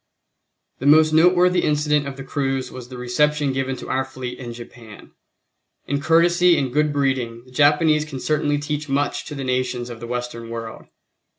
The most noteworthy incident of the cruise was the reception given to our fleet in Japan. In courtesy and good breeding, the Japanese can certainly teach much to the nations of the Western world.